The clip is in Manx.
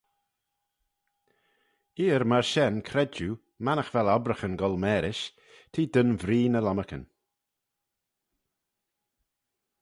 Eer myr shen credjue, mannagh vel obbraghyn goll marish, te dyn vree ny-lomarcan.